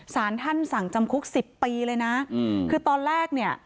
สารท่านสั่งจำคุกสิบปีเลยนะคือตอนแรกเนี่ย